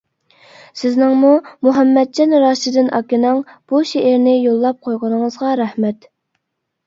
سىزنىڭمۇ مۇھەممەتجان راشىدىن ئاكىنىڭ بۇ شېئىرىنى يوللاپ قويغىنىڭىزغا رەھمەت.